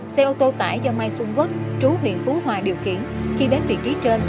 xe ô tô tải do mai xuân quất trú huyện phú hòa điều khiển khi đến vị trí trên